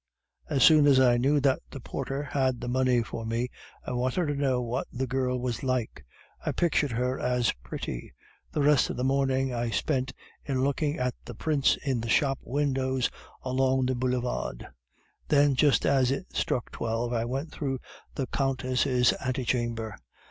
"'As soon as I knew that the porter had the money for me, I wanted to know what the girl was like; I pictured her as pretty. The rest of the morning I spent in looking at the prints in the shop windows along the boulevard; then, just as it struck twelve, I went through the Countess' ante chamber.